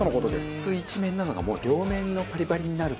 普通１面なのがもう両面のパリパリになるからだ。